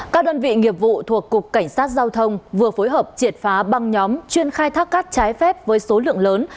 các đơn vị nghiệp vụ thuộc cục cảnh sát giao thông vừa phối hợp triệt phá băng nhóm chuyên khai thác cát trái phép với số lượng lớn